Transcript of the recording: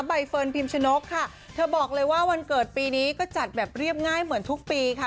ใบเฟิร์นพิมชนกค่ะเธอบอกเลยว่าวันเกิดปีนี้ก็จัดแบบเรียบง่ายเหมือนทุกปีค่ะ